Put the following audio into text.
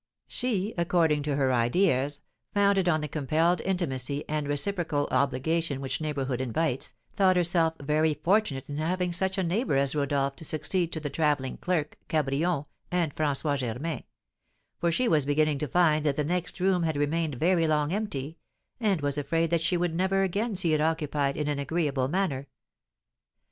She, according to her ideas, founded on the compelled intimacy and reciprocal obligation which neighbourhood invites, thought herself very fortunate in having such a neighbour as Rodolph to succeed to the travelling clerk, Cabrion, and François Germain; for she was beginning to find that the next room had remained very long empty, and was afraid that she should never again see it occupied in an agreeable manner.